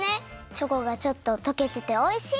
チョコがちょっととけてておいしい！